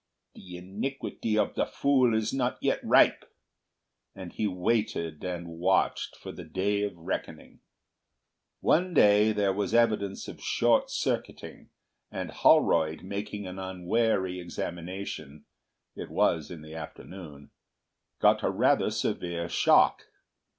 "The iniquity of the fool is not yet ripe." And he waited and watched for the day of reckoning. One day there was evidence of short circuiting, and Holroyd, making an unwary examination—it was in the afternoon—got a rather severe shock.